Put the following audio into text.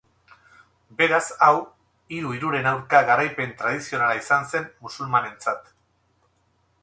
Beraz hau hiru-hiruren-aurka garaipen tradizionala izan zen musulmanentzat.